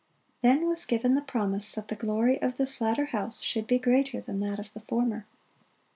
(27) Then was given the promise that the glory of this latter house should be greater than that of the former.